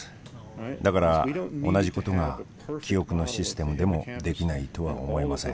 だから同じことが記憶のシステムでもできないとは思えません。